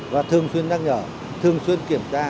và thường xuyên nhắc nhở thường xuyên kiểm tra